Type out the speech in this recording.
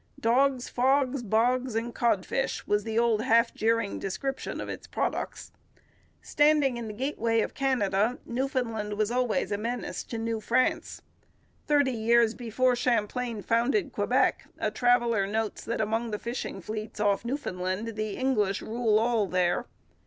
'Dogs, fogs, bogs, and codfish,' was the old half jeering description of its products. Standing in the gateway of Canada, Newfoundland was always a menace to New France. Thirty years before Champlain founded Quebec a traveller notes that, among the fishing fleets off Newfoundland, 'the English rule all there.'